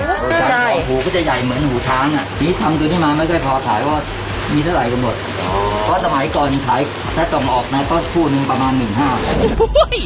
ก็คือจะเป็นการพัฒนาต่อยอดจากปรากฎสีทองนะครับ